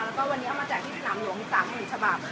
แล้วก็วันนี้เอามาแจกที่สนามหลวงอีก๓๐๐๐ฉบับ